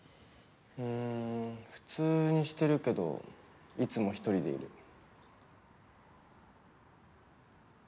うん普通にしてるけどいつも１人でいる。